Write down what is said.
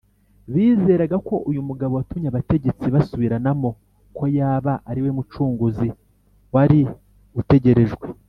Bizeraga ko uyu mugabo, watumye abategetsi basubiranamo, ko yaba ari we Mucunguzi wari utegerejwe